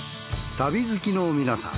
旅好きの皆さん。